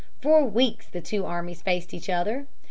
For weeks the two armies faced each other.